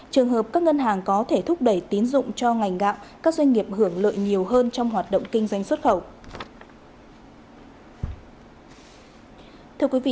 trường hợp các ngân hàng có thể thúc đẩy tín dụng cho ngành gạo các doanh nghiệp hưởng lợi nhiều hơn trong hoạt động kinh doanh xuất khẩu